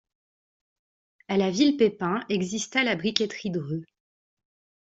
A la Ville-Pépin, exista la briqueterie Dreux.